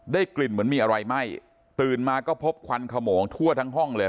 กลิ่นเหมือนมีอะไรไหม้ตื่นมาก็พบควันขโมงทั่วทั้งห้องเลย